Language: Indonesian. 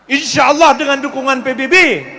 insya allah dengan dukungan pbb